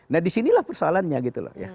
nah disinilah persoalannya gitu loh ya